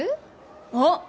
あっ！